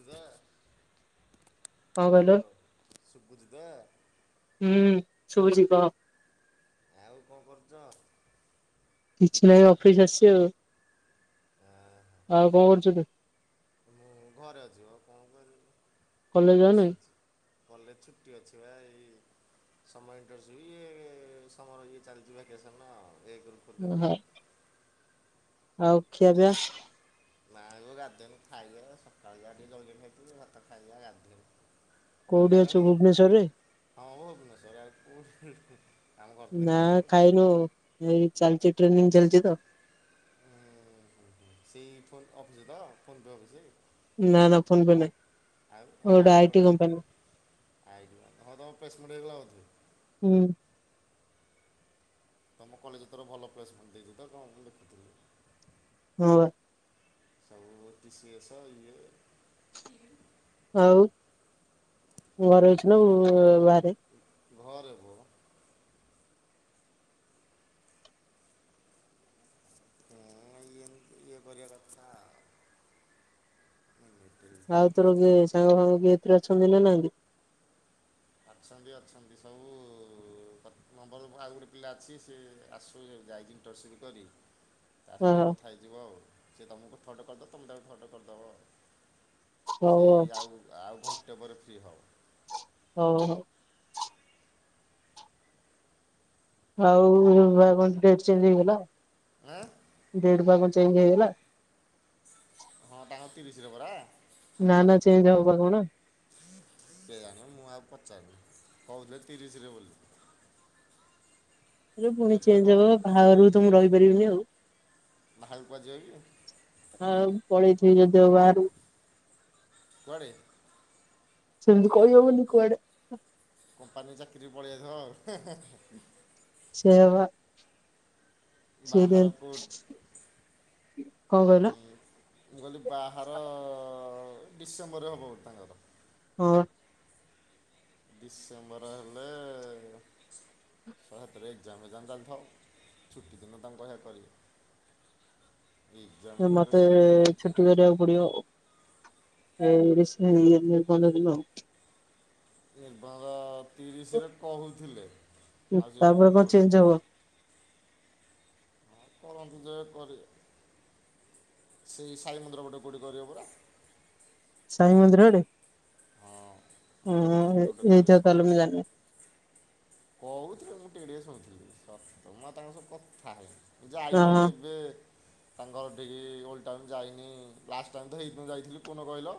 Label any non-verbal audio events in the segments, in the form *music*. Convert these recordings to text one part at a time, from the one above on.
ଯିବା କଣ କହିଲ ହ୍ୟାଲୋ ଶୁଭୁଚି ପା ଶୁଭଛି କହ ଆଉ କଣ କରୁଚ? କିଛି ନାଇ ଅଫିସ ଆସିଛି ଆ ଆଉ କଣ କରୁଚ ତୁ? ମୁଁ ଘରେ ଅଛି ମ କଣ କରିବି। କଲେଜ ଯାଉନ କି? ବସିଛି। କଲେଜ ଛୁଟି ଅଛି ବା ଏଇ *unintelligible* ଓ ହୋ। ଆଉ। ଆଉ ଖିଆ ପିଆ? ନାଗୋ ଗାଧେଇନି ଖାଇନି ସକାଳେ ଯାହା ଟିକେ ଜଳଖିଆ ଖାଇ ଥିଲି ଭାତ ଖାଇବା ଗାଧେଇନି। କୋଉଠି ଅଛୁ ଭୁବନେଶ୍ଵର ରେ? ହଁ ଭୁବନେଶ୍ବର ରେ ଆଉ କୋଉଠି ଆମ ଘର ତ ନା ଦେଖିଛ ଆଉ। ଖାଇନୁ ଏ ଚାଲିଚି ଟ୍ରେନିଂ ଚାଲିଚି ତ। ହୁଁ-ହୁଁ ସେଇ ଫୋନ୍ ଅଫିସ ତ ଫୋନ୍ ପେ ଅଫିସ। ନାଁ -ନାଁ ଫୋନ ପେ ନାହିଁ ଗୋଟେ ଆଇଟି କମ୍ପାନୀ। ଆଇଯିବ ହଁ ତମ ପ୍ରେସମେଣ୍ଟ ହେଇଗଲା ବୋଧେ? ହୁଁ ତମ କଲେଜ ତର ଭଲ ପ୍ଲେସମେଣ୍ଟ ଦେଇଛି ତ କଣ ମୁ ଦେଖୁଥିଲି। ହଁ ବା। ସବୁ ଟି ସି ଏସ ଇଏ ଆଉ ଘରେ ଅଛୁ ନା ବାହାରେ? ଘରେ ବ। ହୁଁ ଏମିତି ୟେ କରିବା କଥା। *unintelligible* ଆଉ ତୋର କିଏ ସାଙ୍ଗ ଫାଙ୍ଗ ବି ଏଥିରେ ଅଛନ୍ତି ନା ନାହାନ୍ତି? ଅଛନ୍ତି ଅଛନ୍ତି ସବୁ ନମ୍ବର ଆଉ ଗୋଟେ ପିଲା ଅଛି ସେ ଆସୁ ଯାଇଚି ଇଣ୍ଟରସିପ କରି। ତା ସହ ଟିକେ ଓହୋ କଥା ହେଇଯିବ ଆଉ ସିଏ ତୁମକୁ ଥରଟେ କରିଦେବ ତୁମେ ତାକୁ ଥରଟେ କରିଦେବ। ସେଇ ଆଉ ଆଉ ଘଣ୍ଟେ ପରେ ଫ୍ରି ହବ। ହଉ। ଆଉ ବା କଣ ଡେଟ୍ ଚେଞ୍ଜ ହେଇଗଲା ଡେଟ୍ ପା କଣ ଚେଞ୍ଜ ହେଇଗଲା। ହଁ ତାଙ୍କର ତିରିଶିରେ ପରା। ନା ନା ଚେଞ୍ଜ ହବ ପା କଣ? କେଜାଣି ମୁଁ ଆଉ ପଚାରୁନି କହୁଥିଲେ ତିରିଶରେ ବୋଲି। *inaudible* ପୁଣି ଏବେ ଚେଞ୍ଜ କହନ୍ତୁ ହବ ବାହାଘରକୁ ତ ମୁଁ ରହିପାରିବିନି ଆଉ। ବାହାରକୁ କୁହାରେ ଯିବ କି? ଆ ପଳେଇଥିବି ଯଦିଓ ବାହାରୁକୁ। କୁଆଡେ? ସେମିତି କହି ହବନି କୁଆଡେ। କମ୍ପାନୀ ଚାକିରି ପଳେଇଆଥିବ। ସେଇୟା ବା ସେ ବାହାର କଣ କୋଉ କହିଲ? ହୁଁ ମୁଁ କହିଲି ବାହାର ଡିସେମ୍ବରରେ ହବ ବୋଧେ ତାଙ୍କର। ହଁ। ଡିସେମ୍ବର ହେଲେ ସାତରେ ଏକ୍ଜାମ ଫେଜାମ୍ ଚାଲିଥବ ଛୁଟି ଦିନ ତାଙ୍କୁ କହିବା କରିଏ। ମତେ ଏ କେମିତି ଯିବୁ ଛୁଟି କରିବାକୁ ପଡିବ ଆଉ। ଏଇ ରିସ ନେ ୟେ କଣ। *unintelligible* ନିର୍ବନ୍ଧ ତିରିଶ ରେ କହୁଥିଲେ ଆଜି ତ ତାପରେ କଣ ପୁଣି ଚେଞ୍ଜ ହବ କରନ୍ତୁ ଯାହା କରିଏ। ସେଇ ସାଇ ମନ୍ଦିର ଗୋଟେ କଉଠି କରିବ ପରା? ସାଇ ମନ୍ଦିର ଆଡେ? ହଁ ହୁଁ ମଣ୍ଡପନା ଏ କୋଉଠି ଗୋଟେ କରିବେ। ଏଇଟା ତାହଲେ ମୁ ଜାଣିନି। କହୁଥିଲେ ମୁଁ ଟିକେ ଟିକେ ଶୁଣିଥିଲି ସତ ମୁଁ ଆଉ ତାଙ୍କ ସବୁ କଥା ହେଇନି। ଯାଇନି ହରି ହଁ ଏବେ ତାଙ୍କର ଘର ଟିକି ଓଲ୍ଡ ଟାଉନ୍ ଯାଇନି ଲାଷ୍ଟ ଟାଇ ତ ହେଇ ଦିନ ଯାଇଥିଲି କଉ ଦିନ କହିଲ?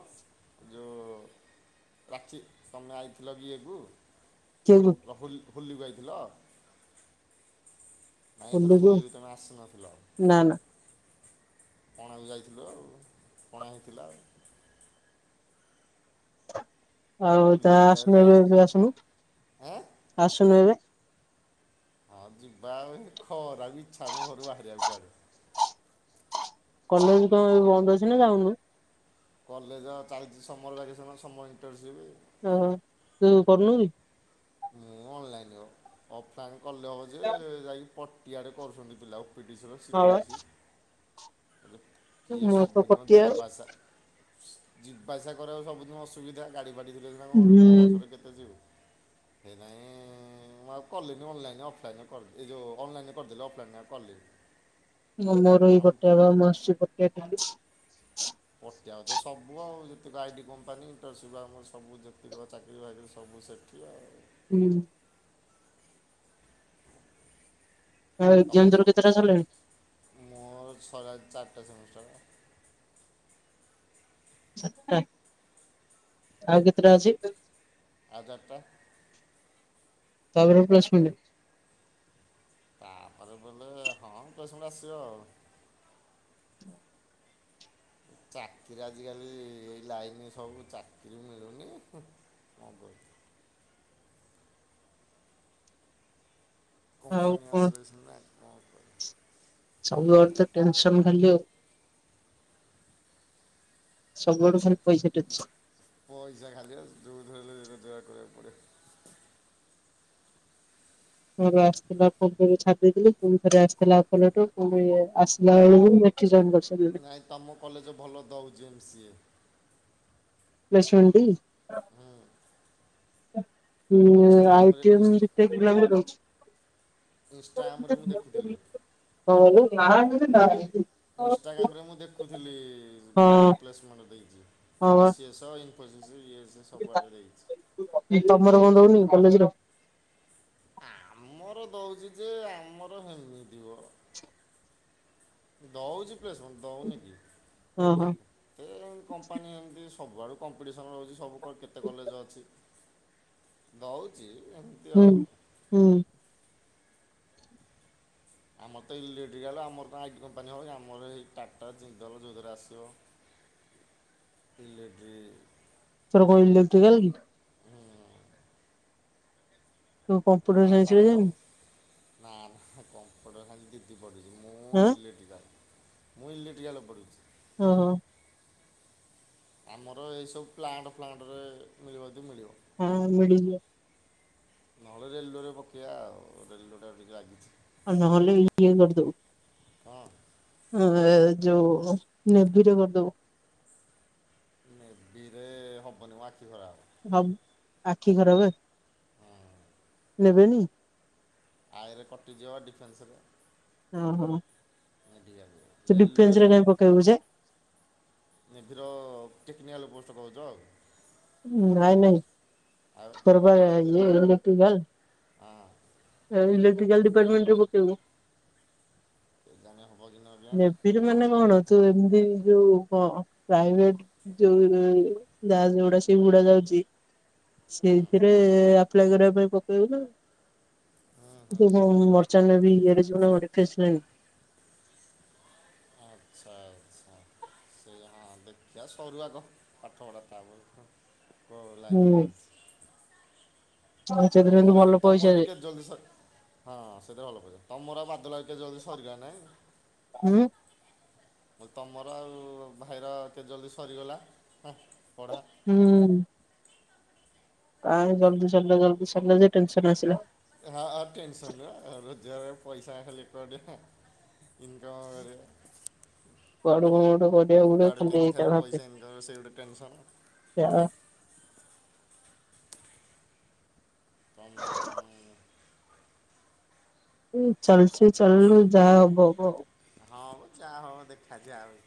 ଯୋଉ *inaudible* ରାକ୍ଷୀ ତମେ ଆଇଥିଲ ଇଏକୁୁ? *unintelligible* ହୋଲିକୁ ଆଇଥିଲ? ନାଇଁ ଏଥର ବୁଲିକୁ ହୋଲି ବି ତମେ ଆସନଥିଲ? ନା ନା ପଣା ବି ଯାଇଥିଲୁ ଆଉ ପଣା ହେଇଥିଲା ଆଉ। ଆଉ ତା ହୋଲିରେ ଯାହା ଆସୁନ ଏବେ ଯାଇଛି। ବେ ଆସୁନୁ ଆଁ ଆସୁନୁ ଏବେ? ହଁ ଯିବା ଆଉ ଖରା କୁ ଇଛା ହଉନି ଘରୁ ବାହାରିବାକୁ କୁଆଡ଼େ? କଲେଜ କଣ ଏ ବନ୍ଦ ଅଛି ନା ଯାଉନୁ? କଲେଜ ଚାଲିଚି ସମର ଭେକେସନ ସମର ଇଣ୍ଟନସିପ। ଅ ହ ତୁ କରନୁ କି? ମୁଁ ଅନଲାଇନ୍ ଅଫଲାଇନ୍ କଲେ ହବ ଯେ ଯାଇକି ପଟିଆଡେ କରୁଛନ୍ତି ପିଲା ପିଟିସର ହଁ ବା ସିଟି *unintelligible* ଇଏ ମୋର ତ ସବୁଦିନ *unintelligible* କଟିଆ ଯିବା ଆସିବା କରିବାକୁ ସବୁଦିନ ଅସୁବିଧା ଗାଡି ଫାଡ଼ି ଥିଲେ ନା କଣ ହୁଁ ବସରେ କେତେ *unintelligible* ସେଇଥିପାଇଁ ମୁଁ ଆଉ କଲିନି ଅନଲାଇନ୍ ଅଫଲାଇନ୍ କରିଦେଲି ଏଉ ଅନଲାଇନ୍ କରିଦେଲି ଅଫଲାଇନ୍ କଲିନି। ମୁଁ ମୋ ରହି ଆମ ପଟେ ବା ମୁଁ ଆସ ପଟେ ଡାଲି ପ *unintelligible* ଆ ତ ସବୁ ଆଉ ଯେତିକ ଆଇଟି କମ୍ପାନୀଇଣ୍ ଆମର ସବୁ ଯେତିକ ଚାକିରି ବାକିରି ସବୁ। ମୁଁ ସେଠି ଆଉ। ହୁଁ। ଆଉ ଏକ୍ଜାମ ତମ ତୋର କେତେଟା ସରିଲାଣି? ମୋର ସ ଚାରିଟା ସମୟ। *unintelligible* ଚାରିଟା ଆଉ କେତେଟା ଅଛି? ଆଧାର ଟା ତାପରେ ମୁଁ ପ୍ଲେସମେଣ୍ଟ ତାପରେ ବୋଧେ ହଁ ପ୍ଲେସମେଣ୍ଟ ଆସିବ ଆଉ। ଚାକିରି ଆଜିକାଲି ଏଇ ଲାଇନ୍ ସବୁ ଚାକିରି ମିଳୁନି ହୁଁ। କ'ଣ କହିବି *inaudible* ଆଉ କମ୍ପାନୀ କଣ *unintelligible* *inaudible* ୟୁର୍ଟନ *unintelligible* ଖାଲି ଆଉ। ସବୁ ଆଡୁ ଫୁଣି ପଇଷା ଟେନସନ୍। ପଇଷା ଖାଲି ଯୋଉଠୁ ହେଲେ ରୋଜାଗାର କରିବା କୁ ପଡେ। ଘର ଆସିଥିଲା *unintelligible* ଛାଡି ଦେଇଥିଲି ଫୁଣି ଥରେ ଆସିିଲଥି ଅଫର ଲେଟର ଫୁଣି ଇଏ ଆସିଲା ବେଳକୁ *inaudible* ଏଠି ଜ‌ଏନ୍ କ ନାଇଁ ତମ କଲେଜ ଭଲ ଦୋଉଚି ଏମ୍ ସିଏ। ପ୍ଲେସମେଣ୍ଟ ଟି? *unintelligible* ହୁଁ ଆଇ ଇନଷ୍ଟାଗ୍ରାମରେ ଟି ଏମ୍ ବିଟେକ୍ ପିଲାଙ୍କୁ ଦୋଉଚି। ଇଂଷ୍ଟାଗାମରେ ମୁଁ ଦେଖୁଥିଲି। କଣ କହିଲେ? ପ୍ଲାଣ୍ଟରେ ନାହିଁ। ଇଂଷ୍ଟାଗାମରେ ମୁଁ ଦେଖୁଥିଲି ଭଲ ପ୍ଲେସମେଣ୍ଟ ଦେଇଚି ବା। ଟିସି ଏସ ଏଇ ତମର କଣ ଦୋଉନି କି କଲେଜର? ଆମର ଦୋଉଚି ଯେ ଆମର ହେମିତି ବ ଦୋଉଚି ପ୍ଲେସମେଣ୍ଟ ଦଉନି କି ହଁ ହଁ। ଏ ଏଇ କମ୍ପାନୀ ଏମତି ସବୁଆଡୁ କମ୍ପିଡିସନ୍ ରହୁଚି ସବୁ କ କେତେ କଲେଜ ଅଛି ଦେଉଚି ହୁଁ ହୁଁ। ଆମର ତ ଇଲେକ୍ଟ୍ରିକାଲ ଆମର କଣ ଆଇଟି କମ୍ପାନୀ ଭଳିଆ। ଆମର ଏଇ ଟାଟା, ଜିନ୍ଦଲ ଯୋଉଥିରେ ଆସିବ ଇଲେକ୍ଟ୍ରି ତୋର କଣ ଇଲେକ୍ଟ୍ରିକାଲ କି? ତୁ କମ୍ପିୁଟର ତା ସାଇନ୍ସରେ ପାଠ ଯାଇନୁ। ନା ନା ହେ କମ୍ପଟର ଖାଲି ଦିଦି ପଡୁଚି। ମୁଁ ଆଁ ଇଲେକ୍ଟ୍ରିକାଲ। ମୁଁ ଇଲେକ୍ଟ୍ରିକାଲ ପଡୁଚି। ଓହୋ। ଆମର ଏଇ ସବୁ ପ୍ଲାଣ୍ଟ ଫ୍ଲାଣ୍ଟରେ ମିଳିବ ଯଦି ମିଳିବ। ହଁ ମିଳିଯିବ। ନହେଲେ ରେଲୱେରେ ପକେଇବା ଆଉ ରେଲୱେ ଟା ଟିକେ ଲାଗିଚି। ଆ ନହେଲେ ଇଏ କରିଦୋବୁ। ହଁ। ହଁ ଆ ଯୋଉ ନେଭିରେ କରିଦୋବୁ। ନେଭିରେ ହବନି ମୋ ଆଖି ଖରାପ। ହବ୍ ଆଖି ଖରାପେ ହଁ ଦେବେନି? ଆଇରେ କଟିଯିବ ପା ଡିଫେନ୍ସରେ। ଓହୋ। ନେଭି ଆସିବ ତୁ ରେଲୱେରେ ଡିଫେନ୍ସରେ କାଇଁ ପକେଇବୁ ଯେ। ନେଭିିର ଟେକ୍ନିକାଲ୍ ପୋଷ୍ଟ କୋହୁଚ। ନାଇଁ ନାଇଁ ତୋର କାଲେ ଇଏ *unintelligible* ହୁଁ। ଇଲେକ୍ଟ୍ରିକା ଡିପାର୍ଟମେଣ୍ଟ ପକେଇବୁ। କେଜାଣି ହବ କି ନ କେଜାଣି ନେଭିରେ ମାନେ କଣ? ତ ଏମିତି ଯୋଉ ପ୍ରାଇଭେଟ ଯୋଉ ଯାହାଗୁଡା ସେଗୁଡା ଯାଉଛି। ସେଇଥିରେ ଆପ୍ଲାଏ କରିବା ପାଇଁ ପକେଇବୁ ନା। ହୁଁ ହୁଁ ହୁଁ ଏବଂ ହୁଁ ମର୍ଚାନ୍ଦ ନବୀ ଏର ଜ ଅନଖେସେ *inaudible* ଆଚ୍ଛା ଆଚ୍ଛା ସେଇ ହଁ ଦେଖିବା ସରୁ ଆଗ ପାଠପଢ଼ା ତାପରେ କଉ ଲାଇନ ଯାଉଛି? ସେଥିରେ କିନ୍ତୁ ତମର ଟିକେ ଭଲ ତମର ପଇସା ଏଟି ଯେ କେତେ ଜଲଦି ସ ହଁ ସେଥି ଭଲ ପା ତମର ବାଦ ଲିକା ଜଲଦି ସରିବ ନାଇଁ। ଉଁ। ତମର ଆଉ ଭାଇର କେତେ ଜଲଦି ସରିଗଲା? ହୁଁ ପଢ଼ା। ହୁଁ। କାଇଁ ଜଲଦି ସରିଲା ଜଲଦି ସରିଲା ଯେ ଟେନସନ ଆସିଲା। ହଁ ଆ ଟେନସନ ନା *unintelligible* ପଇସା ଖାଲି *unintelligible* କଆଡୁକୁ କୁଆଡେ କେମିତି ଖାଲି ପଇସା ଏ ସେଇ ଗୋଟେ ଟେନସନ। ଯାହା ତ ଚାଲିଛି ଚାଲୁ ଯାହା ହବ ହବ। ହଁ ହବ ଯାହା ହବ ଦେଖାଯାଉ?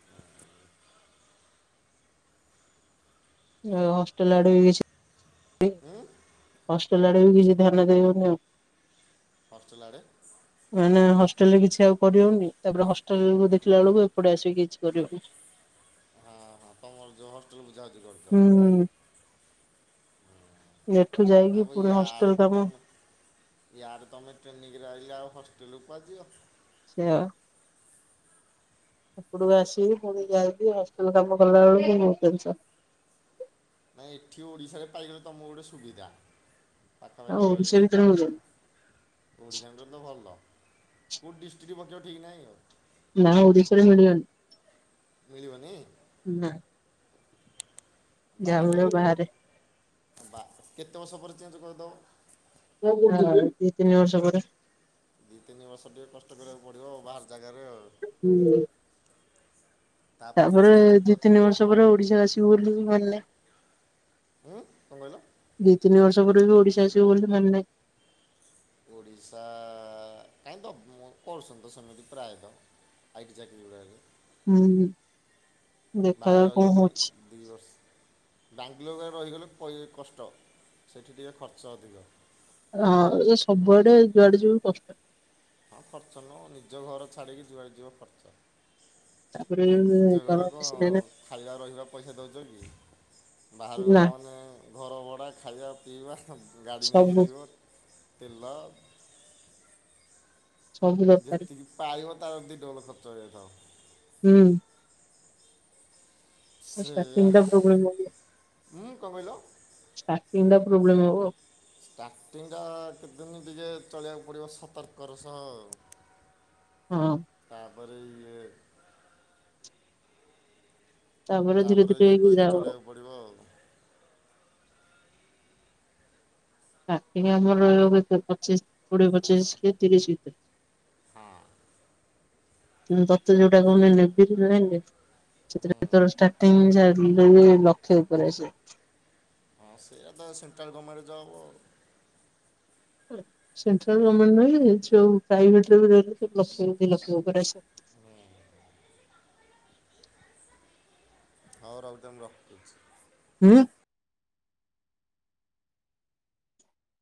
ହଷ୍ଟେଲ ଆଡେ ବି ସେଇ ଉଁ। ଲାଡେ ବି କିଛି ଧ୍ୟାନ ଦେବନି ଆଉ। ହଷ୍ଟେଲ୍ ଆଡେ? ମାନେ ହଷ୍ଟେଲ ରେ କିଛି ଆଉ କରିହବନି ତାପରେ ହଷ୍ଟେଲ କୁ ଦେଖିଲା ବେଳକୁ ଏପଟେ ଆସିକି କିଛି କରି ହଉନି। ହଁ ହଁ ତମର ଯୋଉ ହଷ୍ଟେଲକୁ ଯାଉଛ। ହୁଁ ଏ ତା ୟାର ତ ତମେ ୟାର ତମେ ଟ୍ରେନିଂରେ ରହିଲ ଆଉ ହ ଟେଲକୁ କୁଆଡେ ଯିବ? ସେଇଆ। ଆପକୁ ଆସିକି ପୁଣି ଯାଇକି ହଷ୍ଟେଲ କାମ କଲା ବେଳକୁ ବହୁତ ପେନସନ। ନାଇଁ ଏଠି ଓଡିଶାରେ ପାଇଗଲେ ତମକୁ ଗୋଟେ ସୁବିଧା। ଆଉ ପାଖାପାଖି ଓଡିଶା ରହିଲେ ଭିତରେ ମିଳିବନି ବାସ ଓଡିଶା ତ ଭଲ। କଉ ଡିଷ୍ଟ୍ରିକ ପକେଇବ ଠିକ ନାହିଁ ଆଉ? ନା ଓଡିଶାରେ ମିଳିବନି। ମିଳିବନି? ନା ଯାହା ମିଳିବ ବାହାରେ। ବା କେତେ ବର୍ଷ ପରେ ଚେଞ୍ଜ କରିଦବ? ଦି ତିନି ବର୍ଷ ପରେ। ଦି ତିନି ବର୍ଷ ଟିକେ କଷ୍ଟ କରିବାକୁ ପଡିବ ଆଉ ବାହାର ଜାଗାରେ ଆଉ। ହୁଁ। ତାପରେ ଚେଞ୍ଜ କ ଦି ତିନି ବର୍ଷ ପରେ ଓଡିଶା ଆସିବୁ ବୋଲି ମାନିଲା। ଉଁ କଣ କହିଲ? *unintelligible* ସବ ବି ଓଡିଶା ଆସିବ ବୋଲି ମାନେ ନାହିଁ। ଓଡିଶା କାହିଁ ତ କରୁସତି ସେମିତି ପ୍ରାୟତଃ। ଆଇଟି ଚାକିରି ଗୁଡ଼ାକରେ ହୁଁ। ବାହାର *unintelligible* ଦେଖାଯାଉ କଣ ଯାଉଛିିବ ହଉଛି। ଦିଇ ବର୍ଷ ବାଙ୍ଗଲୋରରେ ରହିଗଲେ କଷ୍ଟ, ସେଠି ଟିକେ ଖର୍ଚ୍ଚ ଅଧିକ। ହଁ ସବୁଆଡେ ଯୁଆଡେ ଯିବ କଷ୍ଟ ହଁ ଖର୍ଚ୍ଚ ନୁ ନିଜ ଘର ଛାଡିକି ଯୁଆଡେ ଯିବ ଖର୍ଚ୍ଚ। ଆ *unintelligible* ନିଜ ଘରେ କଣ ଖାଇବା ରହିବା ପଇସା ଦଉଛ କି? ବାହହାର ନା ଗଲା ମାନେ ଘର ଭଡ଼ା ଖାଇବା ପିଇବା ଗାଡ଼ି ନେଇକି ସବୁ ଯିବ ତେଲ ସବୁ ଦରକାର ଯେତିକି ପାଇବ ତାର ଦି ଡବଲ୍ ଖର୍ଚ୍ଚ ହେଇଯାଉଥିବ। ହୁଁ। ଆଛା ତିନିଟା ପ୍ରୋବ୍ଲେମ୍ *unintelligible* ହଁ କଣ କହିଲ? ଷ୍ଟାର୍ଟିଂଟା ପ୍ରୋବ୍ଲେମ୍ ହବ। ଷ୍ଟାର୍ଟିଂଟା କେତେ ଦିନ ଟିକେ ଚଳିବାକୁ ପଡ଼ିବ ସତର୍କର ସହ ଆଉ ହୁଁ। ବର *unintelligible* ଧୀରେ ତାପରେ ଧୀରେ ଇଏ ହେଇକି କରିକି ଯାଉ ଚଳେଇବାକୁ ପଡିବ ଆଉ ଷ୍ଟାର୍ଟିଂ ଆମର ରହିବ *unintelligible* ପଚିଶ କୋଡିଏ ପଚିଶ କି ତିରିଶ ଭିତରେ ହଁ। ତତେ ଯୋଉଟା କହୁନି *unintelligible* ନେବ ନଁ *unintelligible* ସେଥିରେ ତୋର ଷ୍ଟାର୍ଟିଂ ଯାହା ହେଲେବି ଲକ୍ଷ୍ୟ ଉପରେ ଆସେ ହଁ ସେଇୟା ତ central government job central government ନାହିଁ ଯୋଉ ପ୍ରାଇଭେଟରେ ବି ରହିଲେ ଲକ୍ଷ ଦି ଲକ୍ଷ ଉପରେ ଆସେ ହୁଁ। ହଉ ରଖିଦେ ମୁଁ ରଖୁଛି। ହୁଁ।